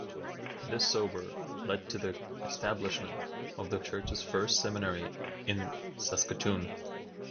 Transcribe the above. This Sobor led to the establishment of the Church's first seminary in Saskatoon.